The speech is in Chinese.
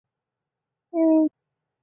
安艺长滨站吴线的铁路车站。